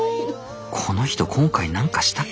この人今回何かしたっけ？